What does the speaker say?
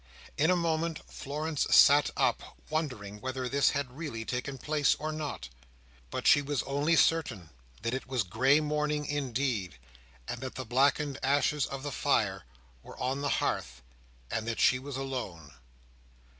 In a moment, Florence sat up wondering whether this had really taken place or not; but she was only certain that it was grey morning indeed, and that the blackened ashes of the fire were on the hearth, and that she was alone.